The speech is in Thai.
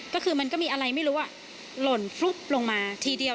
ก็คือมันก็มีอะไรไม่รู้หล่นฟลุ๊กลงมาทีเดียว